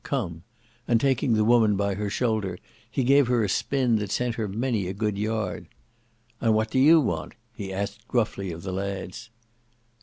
Come;" and taking the woman by her shoulder he gave her a spin that sent her many a good yard. "And what do you want?" he asked gruffly of the lads.